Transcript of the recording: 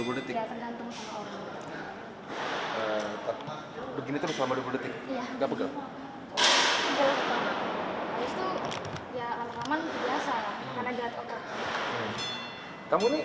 dua puluh detik dua puluh detik ya tergantung sama orang begini selama dua puluh detik